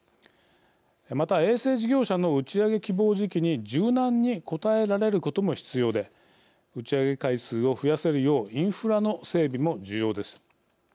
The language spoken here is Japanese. また、衛星事業者の打ち上げ希望時期に柔軟にこたえられることも必要で打ち上げ回数を増やせるようインフラの整備も重要です。